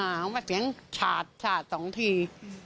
อ้าวเขามาเสียงฉาดฉาด๒ที